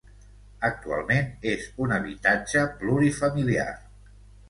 Actualment és un habitatge plurifamiliar.